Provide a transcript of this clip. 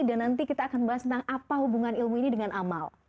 dan nanti kita akan bahas tentang apa hubungan ilmu ini dengan amal